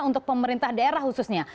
untuk pemerintah daerah khususnya